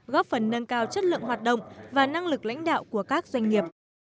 góp phần nâng cao chất lượng hoạt động và năng lực lãnh đạo của các doanh nghiệp